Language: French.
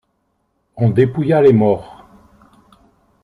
on dépouilla les morts.